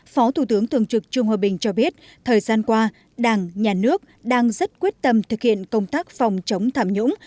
phó thủ tướng thường trực trung hòa bình cho biết thời gian qua đảng nhà nước đang rất quyết tâm thực hiện công tác phòng chống tham nhũng